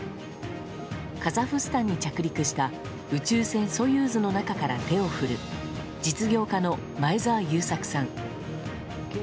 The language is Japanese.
カザフスタンに着陸した宇宙船「ソユーズ」の中から手を振る実業家の前澤友作さん。